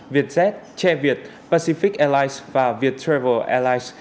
việt jet che việt pacific airlines và viet travel airlines